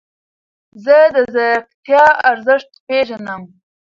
زه د ځیرکتیا ارزښت پیژنم.